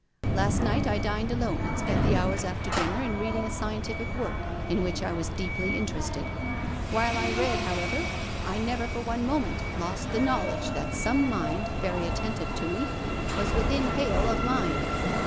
Last night I dined alone and spent the hours after dinner in reading a scientific work in which I was deeply interested. While I read, however, I never for one moment lost the knowledge that some mind — very attentive to me — was within hail of mine.